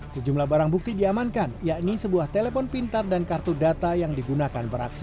sejumlah barang bukti diamankan yakni sebuah telepon pintar dan kartu data yang digunakan beraksi